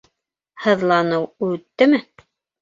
Һыҙланыу үттеме?